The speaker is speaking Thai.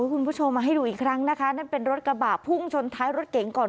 คุณผู้ชมมาให้ดูอีกครั้งนะคะนั่นเป็นรถกระบะพุ่งชนท้ายรถเก๋งก่อน